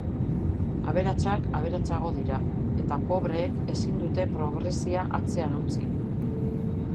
Aberatsak aberatsago dira, eta pobreek ezin dute pobrezia atzean utzi.